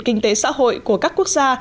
kinh tế xã hội của các quốc gia